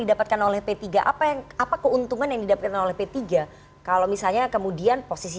didapatkan oleh p tiga apa yang apa keuntungan yang didapatkan oleh p tiga kalau misalnya kemudian posisi